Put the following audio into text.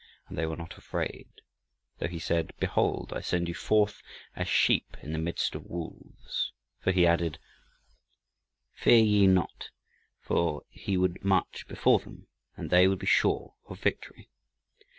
And they were not afraid, though he said, "Behold, I send you forth as sheep in the midst of wolves." For he added, "Fear ye not," for he would march before them, and they would be sure of victory.